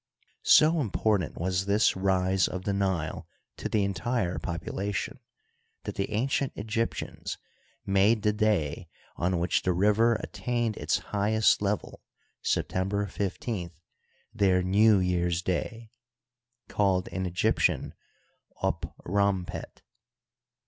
So important was this rise of the Nile to the entire population, that the ancient Egyptians made the day on which the river attained its highest level, September 1 5th. their New year's day (called in Egyptian up rompet).